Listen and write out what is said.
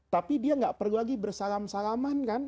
tapi dia nggak perlu lagi bersalam salaman kan